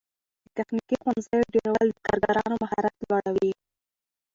د تخنیکي ښوونځیو ډیرول د کارګرانو مهارت لوړوي.